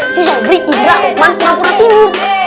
si samrik hindra lukman kura kura timur